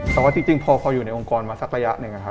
แต่ว่าจริงพออยู่ในองค์กรมาสักระยะหนึ่ง